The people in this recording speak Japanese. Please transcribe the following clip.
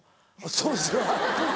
そうですよ。